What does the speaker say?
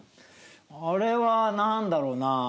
あれはなんだろうな。